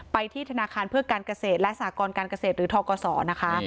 ที่ธนาคารเพื่อการเกษตรและสากรการเกษตรหรือทกศนะคะ